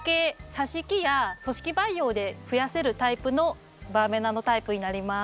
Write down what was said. さし木や組織培養でふやせるタイプのバーベナのタイプになります。